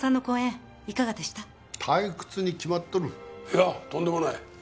いやとんでもない。